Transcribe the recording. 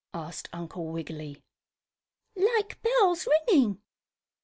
asked Uncle Wiggily. "Like bells ringing."